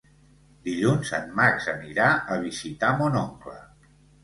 Dilluns en Max anirà a visitar mon oncle.